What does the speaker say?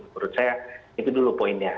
menurut saya itu dulu poinnya